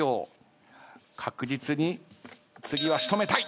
確実に次は仕留めたい。